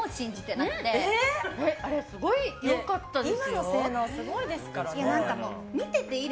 あれ、すごく良かったですよ。